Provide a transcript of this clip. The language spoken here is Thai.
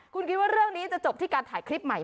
คุณคิดว่าเรื่องนี้จะจบที่การถ่ายคลิปใหม่